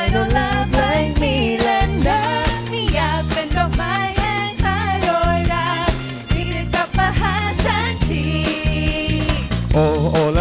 ถึงมีเลิศเดิมที่อยากเป็นดกมายแหงขาโยยรัก